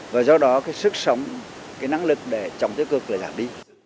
và do đó cái sức sống cái năng lực để chống tiêu cực là giảm đi